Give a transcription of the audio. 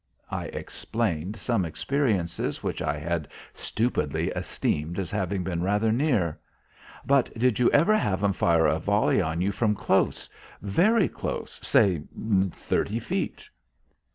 I explained some experiences which I had stupidly esteemed as having been rather near. "But did you ever have'm fire a volley on you from close very close say, thirty feet?"